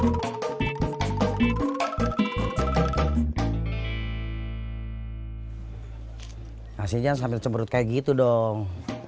kasih jangan sambil cemberut kayak gitu dong